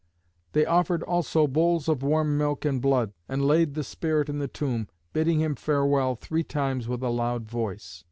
They offered also bowls of warm milk and blood, and laid the spirit in the tomb, bidding him farewell three times with a loud voice.